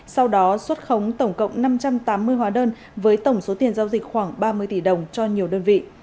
sau đó xuất khống tổng cộng năm trăm tám mươi hóa đơn với tổng số tiền giao dịch khoảng ba mươi tỷ đồng cho nhiều đơn vị